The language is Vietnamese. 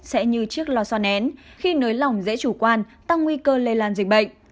sẽ như chiếc lò xo nén khi nới lỏng dễ chủ quan tăng nguy cơ lây lan dịch bệnh